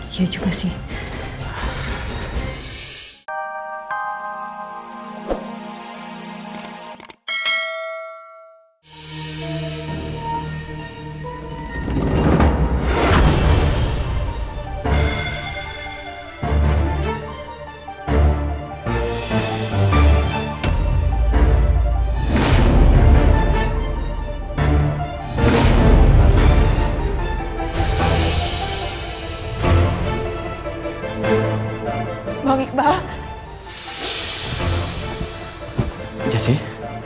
ya juga sih